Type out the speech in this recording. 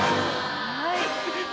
はい。